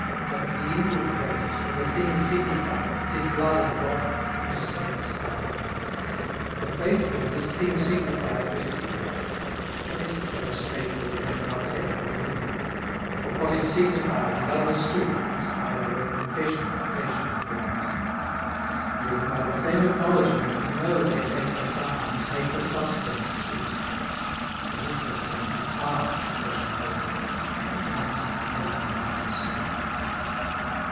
But the inward grace, or the thing signified, 420 His blood and body, who to save us died; The faithful this thing signified receive: What is't those faithful then partake or leave? For what is signified and understood, Is, by her own confession, flesh and blood. Then, by the same acknowledgment, we know They take the sign, and take the substance too. The literal sense is hard to flesh and blood, But nonsense never can be understood.